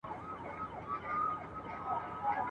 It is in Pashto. د جهاني له هري اوښکي دي را اوري تصویر ..